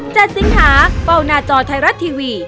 สิงหาเฝ้าหน้าจอไทยรัฐทีวี